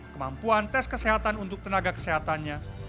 kemampuan tes kesehatan untuk tenaga kesehatannya